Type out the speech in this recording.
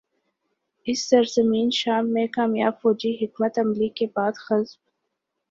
اب سرزمین شام میں کامیاب فوجی حکمت عملی کے بعد حزب